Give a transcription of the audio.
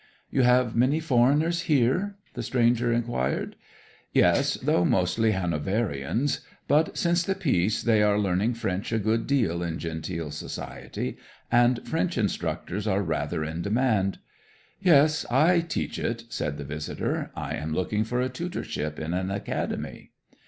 '"You have many foreigners here?" the stranger inquired. '"Yes, though mostly Hanoverians. But since the peace they are learning French a good deal in genteel society, and French instructors are rather in demand." '"Yes, I teach it," said the visitor. "I am looking for a tutorship in an academy."